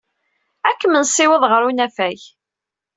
Ad kem-nessiweḍ ɣer unafag.